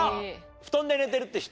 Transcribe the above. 布団で寝てるって人。